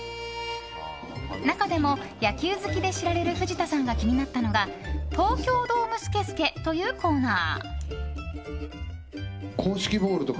中でも、野球好きで知られる藤田さんが気になったのがトウキョウドームスケスケというコーナー。